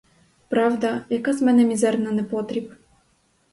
Правда, яка з мене мізерна непотріб?